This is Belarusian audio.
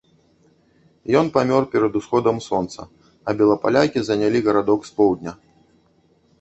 Ён памёр перад усходам сонца, а белапалякі занялі гарадок з поўдня.